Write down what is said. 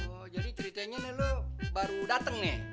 oh jadi ceritanya lo baru dateng nih